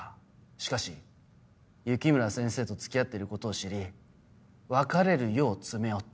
しかし雪村先生と付き合ってることを知り別れるよう詰め寄った。